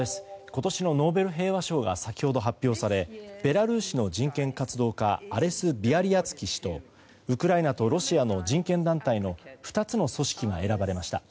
今年のノーベル平和賞が先ほど発表されベラルーシの人権活動家アレス・ビアリアツキ氏とウクライナとロシアの人権団体の２つの組織が選ばれました。